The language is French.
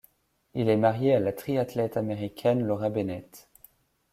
Il est marié à la triathlète américaine Laura Bennett.